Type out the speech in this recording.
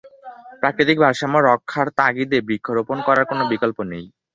প্রাকৃতিক ভারসাম্য রক্ষার তাগিদে বৃক্ষরােপণ করার কোনাে বিকল্প নেই।